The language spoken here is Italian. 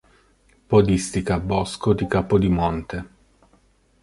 Podistica Bosco di Capodimonte.